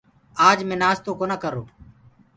آج مينٚ نآستو ڪونآ ڪرو۔